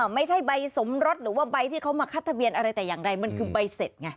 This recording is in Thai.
ไม่ใช่ใบสมรสหรือว่าใบที่เขามาคัดทะเบียนอะไรแต่อย่างไรมันคือใบเสร็จไง